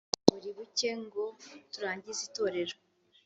buri buke ngo turangize itorero